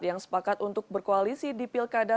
yang sepakat untuk berkoalisi di pilkada